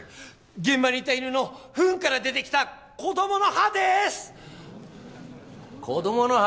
現場にいた犬のフンから出てきた子供の歯でーす子供の歯？